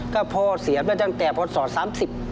ก็พ่อเสียไปตั้งแต่พอส่อ๓๐